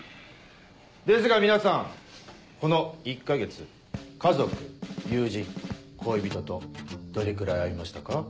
ですが皆さんこの１か月家族友人恋人とどれくらい会いましたか？